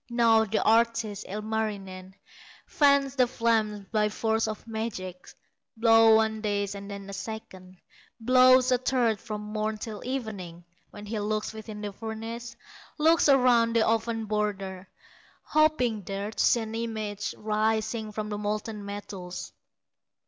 Now the artist, Ilmarinen, Fans the flames by force of magic; Blows one day, and then a second, Blows a third from morn till evening, When he looks within the furnace, Looks around the oven border, Hoping there to see an image Rising from the molten metals.